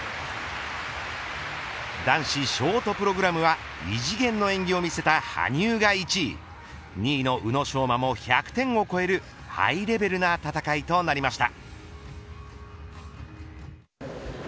男子ショートプログラムは異次元の演技を見せた羽生が１位２位の宇野昌磨も１００点を超えるハイレベルな戦いとなりました。